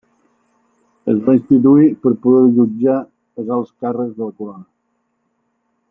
Es va instituir per poder jutjar els alts càrrecs de la Corona.